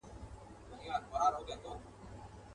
چي پاچا سو انتخاب فیصله وسوه.